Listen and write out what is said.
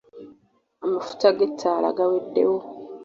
Amafuta g'etaala gaweddewo.